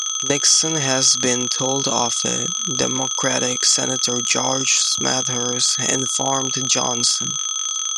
Nixon has been told of it, Democratic senator George Smathers informed Johnson.